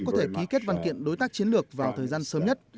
có thể ký kết văn kiện đối tác chiến lược vào thời gian sớm nhất